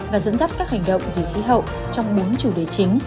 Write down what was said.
và dẫn dắt các hành động vì khí hậu trong bốn chủ đề chính